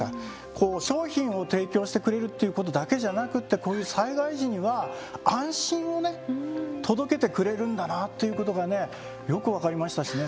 こう商品を提供してくれるということだけじゃなくてこういう災害時には安心をね届けてくれるんだなということがねよく分かりましたしね。